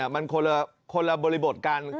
มันคนละบริบทกัน